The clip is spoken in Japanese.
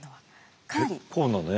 結構なね